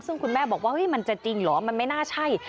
ซึ่งคุณแม่บอกว่ามันจะจริงเหรอมันไม่น่าใช่